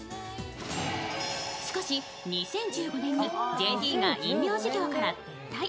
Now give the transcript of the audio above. しかし２０１５年に、ＪＴが飲料事業から撤退。